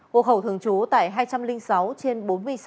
hộ khẩu thường trú tại hai trăm linh sáu trên bốn mươi sáu